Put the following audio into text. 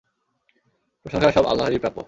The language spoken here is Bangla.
প্রশংসা সব আল্লাহরই প্রাপ্য।